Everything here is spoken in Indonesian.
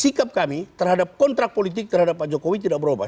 sikap kami terhadap kontrak politik terhadap pak jokowi tidak berubah